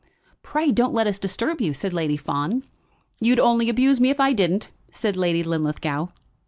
"Pray don't let us disturb you," said Lady Fawn. "You'd only abuse me if I didn't," said Lady Linlithgow.